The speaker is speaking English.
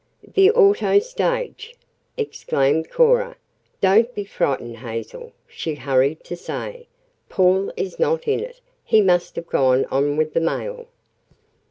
"The auto stage!" exclaimed Cora. "Don't be frightened, Hazel," she hurried to say. "Paul is not in it. He must have gone on with the mail."